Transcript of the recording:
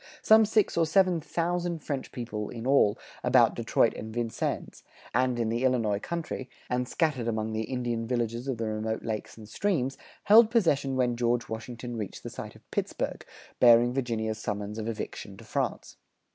Some six or seven thousand French people in all, about Detroit and Vincennes, and in the Illinois country, and scattered among the Indian villages of the remote lakes and streams, held possession when George Washington reached the site of Pittsburgh, bearing Virginia's summons of eviction to France.